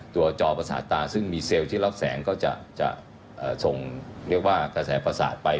จอประสาทตาซึ่งมีเซลล์ที่รับแสงก็จะส่งเรียกว่ากระแสประสาทไป